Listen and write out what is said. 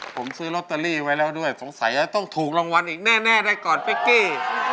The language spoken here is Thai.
ผมซื้อลอตเตอรี่ไว้แล้วด้วยสงสัยจะต้องถูกรางวัลอีกแน่ได้ก่อนเป๊กกี้